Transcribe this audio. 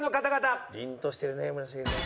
凜としてるね村重さん。